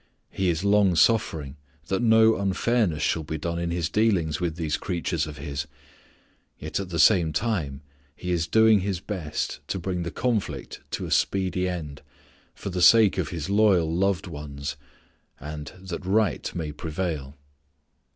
He is long suffering that no unfairness shall be done in His dealings with these creatures of His. Yet at the same time He is doing His best to bring the conflict to a speedy end, for the sake of His loyal loved ones, and that right may prevail.